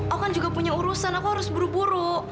aku kan juga punya urusan aku harus buru buru